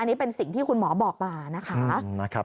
อันนี้เป็นสิ่งที่คุณหมอบอกมานะคะ